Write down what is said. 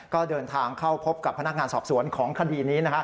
ก็เดินทางเข้าพบกับพนักงานสอบสวนของคดีนี้